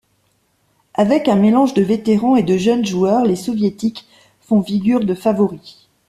Avec un mélange de vétérans et jeunes joueurs, les Soviétiques font figure de favoris.